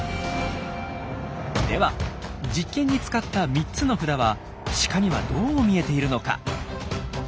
では実験に使った３つの札はシカにはどう見えているのか？